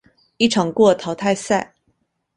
一场过淘汰赛。